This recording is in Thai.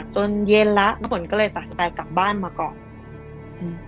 จนเย็นแล้วน้ำฝนก็เลยตัดสินใจกลับบ้านมาก่อนอืม